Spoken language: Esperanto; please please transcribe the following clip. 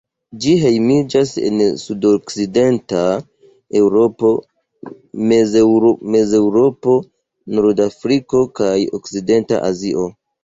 Ĝi hejmiĝas en sudokcidenta Eŭropo, Mezeŭropo, Nordafriko kaj okcidenta Azio.